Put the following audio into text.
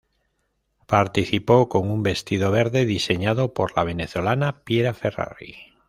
Participó con un vestido verde diseñado por la venezolana Piera Ferrari.